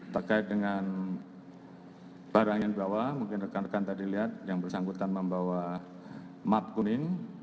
terkait dengan barang yang dibawa mungkin rekan rekan tadi lihat yang bersangkutan membawa map kuning